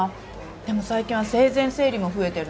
でも最近は生前整理も増えてるの。